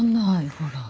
ほら。